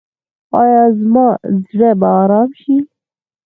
ایا زما زړه به ارام شي؟